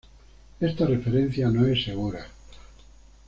Esta referencia no es segura.